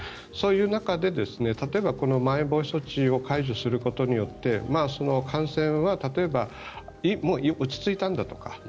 そういう中で、例えばまん延防止措置を解除することで感染は、例えばもう落ち着いたんだとか。